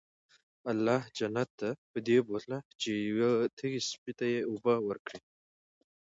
الله جنت ته پدې بوتله چې يو تږي سپي ته ئي اوبه ورکړي وي